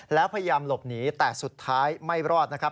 แล้วพยายามหลบหนีแต่สุดท้ายไม่รอดนะครับ